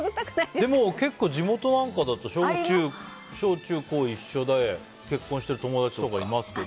でも結構、地元とかだと小中高一緒で結婚している友達とかいますけど。